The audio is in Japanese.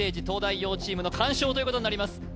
東大王チームの完勝ということになります